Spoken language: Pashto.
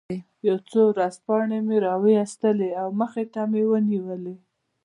یو څو ورځپاڼې مې را وویستلې او مخې ته مې ونیولې.